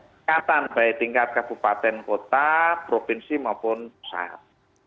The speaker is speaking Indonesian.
tingkatan baik tingkat kabupaten kota provinsi maupun pusat